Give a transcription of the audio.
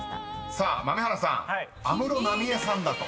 ［さあ豆原さん安室奈美恵さんだと］